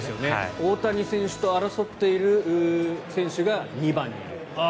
大谷選手と争っている選手が２番にいる。